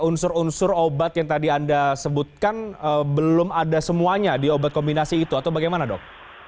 unsur unsur obat yang tadi anda sebutkan belum ada semuanya di obat kombinasi itu atau bagaimana dok